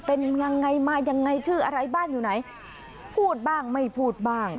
เป็นยังไงมายังไงชื่ออะไรบ้านอยู่ไหนพูดบ้างไม่พูดบ้าง